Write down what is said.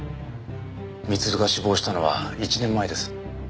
光留が死亡したのは１年前です。